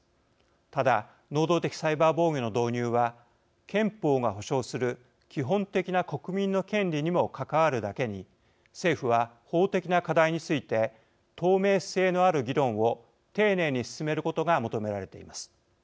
ただ能動的サイバー防御の導入は憲法が保障する基本的な国民の権利にも関わるだけに政府は法的な課題について透明性のある議論を丁寧に進めることが求められています。